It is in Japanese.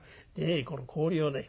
この氷をね